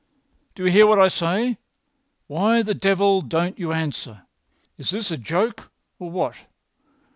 "Do you hear what I say? Why the devil don't you answer? Is this a joke or what?